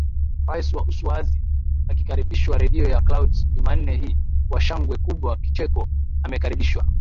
Rais wa Uswazi akikaribishwa redio ya Clouds Jumanne hii kwa shangwe kubwa Kicheko amekaribishwa